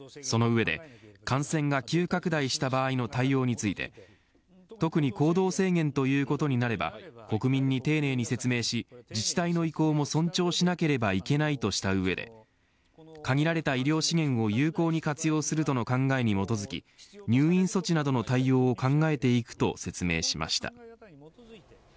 その上で感染が急拡大した場合の対応について特に行動制限ということになれば国民に丁寧に説明し自治体の意向も尊重しなければいけないとした上で限られた医療資源を有効に活用するとの考えに基づき入院措置などの対応を考えていくと説明しました。